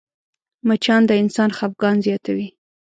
مچان د انسان خفګان زیاتوي